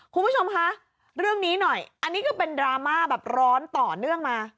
คุณผู้ชมคะเรื่องนี้หน่อยอันนี้ก็เป็นดราม่าแบบร้อนต่อเนื่องมา